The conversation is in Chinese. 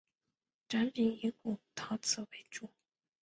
展品以古陶瓷为主。